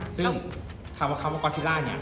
ซึ่งคำว่ากอจริร่าเนี่ย